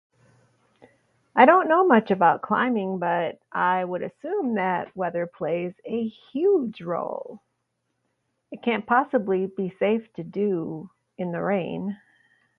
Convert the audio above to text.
I don't know much about climbing but i would assume that weather plays a huge role. It can't possibly be safe to do in the rain.